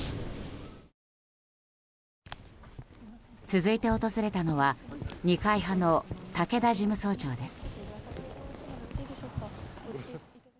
続いて訪れたのは二階派の武田事務総長です。